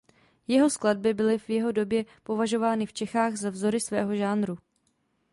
Jeho skladby byly v jeho době považovány v Čechách za vzory svého žánru.